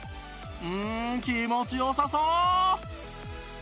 うん気持ちよさそう！